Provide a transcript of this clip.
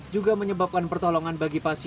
juga menyebabkan pertolongan bagi pasien